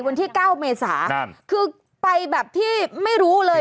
วันที่๙เมษาคือไปแบบที่ไม่รู้เลย